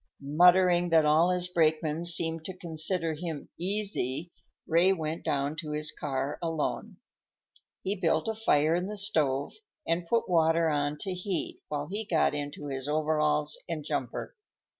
Muttering that all his brakemen seemed to consider him "easy," Ray went down to his car alone. He built a fire in the stove and put water on to heat while he got into his overalls and jumper.